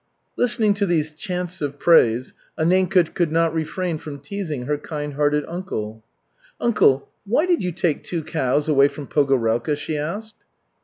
Listening to these chants of praise, Anninka could not refrain from teasing her kindhearted uncle. "Uncle, why did you take two cows away from Pogorelka?" she asked.